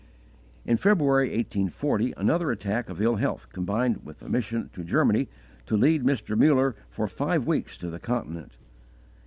In February, 1840, another attack of ill health combined with a mission to Germany to lead Mr. Muller for five weeks to the Continent.